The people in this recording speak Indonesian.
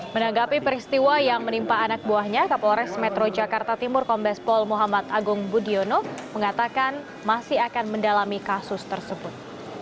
menanggapi peristiwa yang menimpa anak buahnya kapolres metro jakarta timur kombespol muhammad agung budiono mengatakan masih akan mendalami kasus tersebut